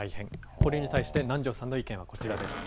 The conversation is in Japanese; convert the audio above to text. これに対して南條さんの意見はこちらです。